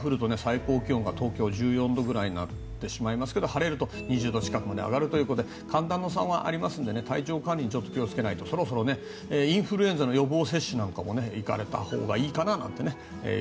雨が降ると東京は最高気温が１４度くらいになりますが晴れると２０度近くに上がるということで寒暖差がありますので体調管理に気を付けないとそろそろインフルエンザの予防接種なんかも行かれたほうがいいかなと。